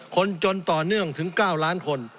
คนจนต่อเนื่องถึง๙ล้านคน